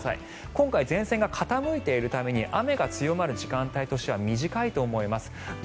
今回、前線が傾いているために雨が強まる時間帯としては短いと思います。